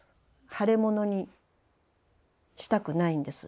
腫れ物にしたくないんです。